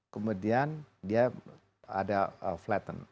kemudian dia ada flatten